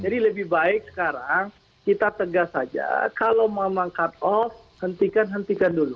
jadi lebih baik sekarang kita tegas saja kalau memang cut off hentikan hentikan dulu